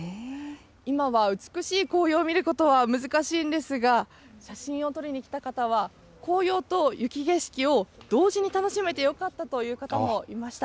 今は美しい紅葉を見ることは難しいんですが、写真を撮りにきた方は、紅葉と雪景色を同時に楽しめてよかったという方もいました。